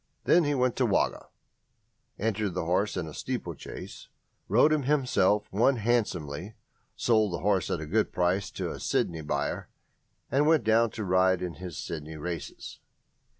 Then he went to Wagga, entered the horse in a steeplechase, rode him himself, won handsomely, sold the horse at a good price to a Sydney buyer, and went down to ride it in his Sydney races.